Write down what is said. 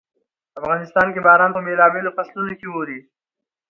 په افغانستان کې باران په بېلابېلو فصلونو کې اوري.